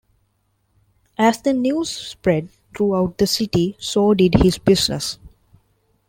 As the news spread throughout the city, so did his business.